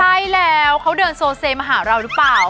ใช่แล้วเขาเดินโซเซมาหาเราหรือเปล่า